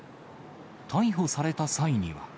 逮捕された際には。